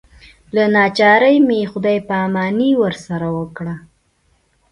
له ناچارۍ مې خدای پاماني ورسره وکړه.